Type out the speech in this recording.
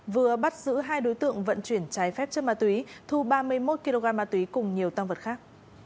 vừa bắt giữ hai đối tượng vận chuyển trái phép chất ma túy thu ba mươi một kg ma túy cùng nhiều tăng vật khác